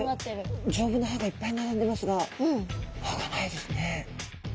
丈夫な歯がいっぱい並んでますが歯がないですね。